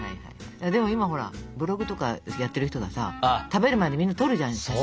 でも今ほらブログとかやってる人がさ食べる前にみんな撮るじゃない写真。